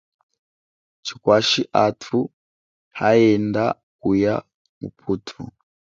Chikwashi athu haenda kuya muputhu.